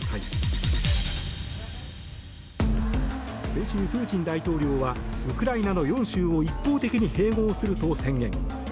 先週、プーチン大統領はウクライナの４州を一方的に併合すると宣言。